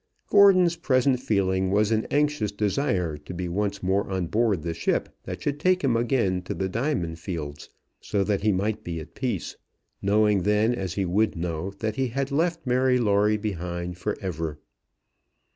Gordon's present feeling was an anxious desire to be once more on board the ship that should take him again to the diamond fields, so that he might be at peace, knowing then, as he would know, that he had left Mary Lawrie behind for ever.